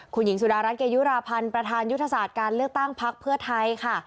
คุณหญิงสุดารัฐเกยุราพันธ์ประธานยุทธศาสตร์การเลือกตั้งพักเพื่อไทยค่ะ